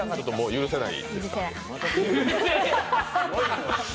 許せない。